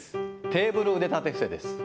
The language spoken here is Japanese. テーブル腕立て伏せです。